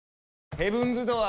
ヘブンズ・ドアー！